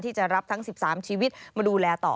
ที่จะรับทั้ง๑๓ชีวิตมาดูแลต่อ